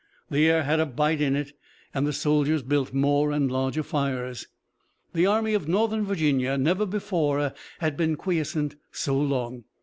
The air had a bite in it, and the soldiers built more and larger fires. The Army of Northern Virginia never before had been quiescent so long.